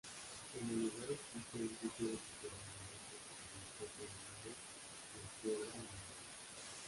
En el lugar existe un sitio de peregrinaje religioso llamado La Quiebra Milagrosa.